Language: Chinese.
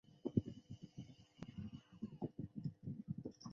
埃斯坦火山口是木星的卫星木卫一表面上的其中一座火山口。